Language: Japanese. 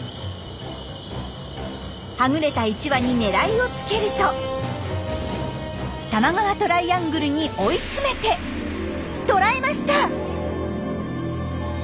はぐれた１羽に狙いをつけると多摩川トライアングルに追い詰めて捕らえました！